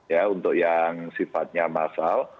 ya untuk yang sifatnya massal